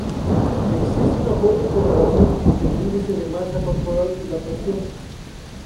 Existe una fuerte correlación entre el índice de masa corporal y la presión.